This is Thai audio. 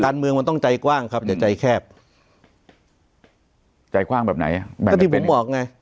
การเมืองมันต้องใจกว้างครับอย่าใจแคบใจกว้างแบบไหนแบบก็ที่ผมบอกไง